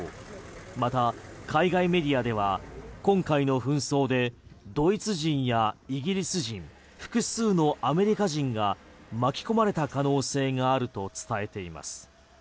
また、海外メディアでは今回の紛争でドイツ人やイギリス人複数のアメリカ人が巻き込まれた可能性があると伝えています。